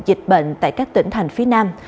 dịch bệnh tại các tỉnh thành phía nam